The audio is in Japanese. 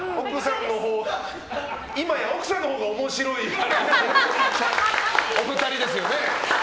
今や奥さんのほうが面白いお二人ですよね。